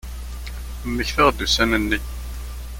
Mmektaɣ-d ussan-nni.